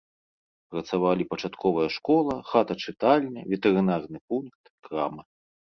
Працавалі пачатковая школа, хата-чытальня, ветэрынарны пункт, крама.